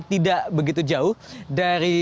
tidak begitu jauh dari